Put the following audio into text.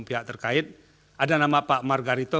pihak terkait ada nama pak margarito